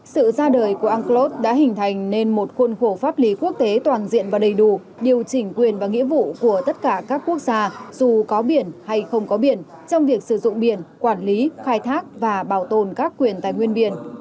sự ra đời của unclos đã hình thành nên một khuôn khổ pháp lý quốc tế toàn diện và đầy đủ điều chỉnh quyền và nghĩa vụ của tất cả các quốc gia dù có biển hay không có biển trong việc sử dụng biển quản lý khai thác và bảo tồn các quyền tài nguyên biển